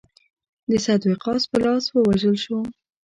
د سعد وقاص په لاس ووژل شو.